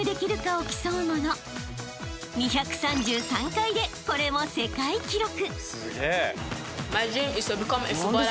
［２３３回でこれも世界記録］